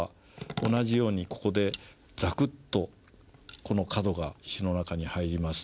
同じようにここでザクッとこの角が石の中に入ります。